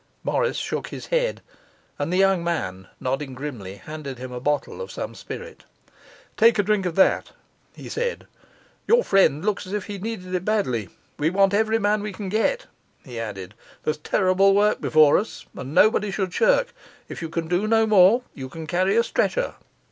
Morris shook his head, and the young man, nodding grimly, handed him a bottle of some spirit. 'Take a drink of that,' he said; 'your friend looks as if he needed it badly. We want every man we can get,' he added; 'there's terrible work before us, and nobody should shirk. If you can do no more, you can carry a stretcher.